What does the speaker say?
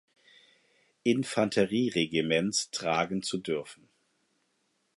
Infanterieregiments tragen zu dürfen.